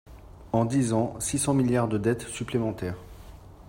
En dix ans, six cents milliards de dettes supplémentaires